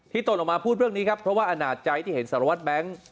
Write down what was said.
ตนออกมาพูดเรื่องนี้ครับเพราะว่าอนาจใจที่เห็นสารวัตรแบงค์